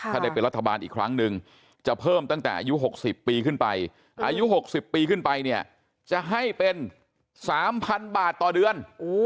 ถ้าได้เป็นรัฐบาลอีกครั้งนึงจะเพิ่มตั้งแต่อายุ๖๐ปีขึ้นไปอายุ๖๐ปีขึ้นไปเนี่ยจะให้เป็น๓๐๐๐บาทต่อเดือน